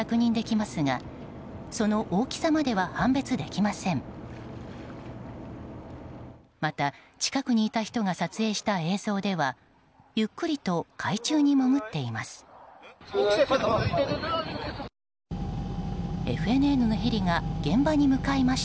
また、近くにいた人が撮影した映像ではゆっくりと海中に潜っています。